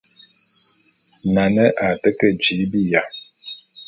Nane a te ke jii biya.